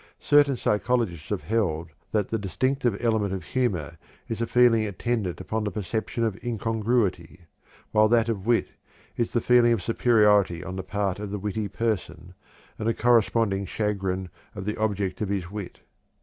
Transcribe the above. Certain psychologists have held that the distinctive element of humor is the feeling attendant upon the perception of incongruity; while that of wit is the feeling of superiority on the part of the witty person, and the corresponding chagrin of the object of his wit.